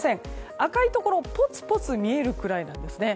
赤いところ、ぽつぽつ見えるぐらいなんですね。